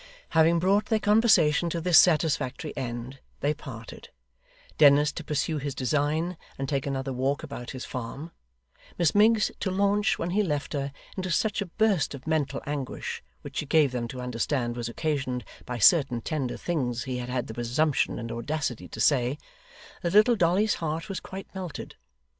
Having brought their conversation to this satisfactory end, they parted: Dennis, to pursue his design, and take another walk about his farm; Miss Miggs, to launch, when he left her, into such a burst of mental anguish (which she gave them to understand was occasioned by certain tender things he had had the presumption and audacity to say), that little Dolly's heart was quite melted.